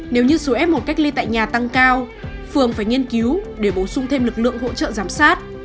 nếu như số f một cách ly tại nhà tăng cao phường phải nghiên cứu để bổ sung thêm lực lượng hỗ trợ giám sát